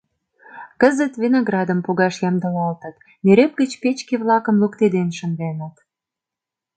Кызыт виноградым погаш ямдылалтыт, нӧреп гыч печке-влакым луктеден шынденыт.